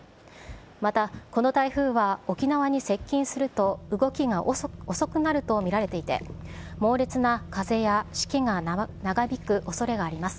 また、この台風は沖縄に接近すると動きが遅くなると見られていて、猛烈な風やしけが長引くおそれがあります。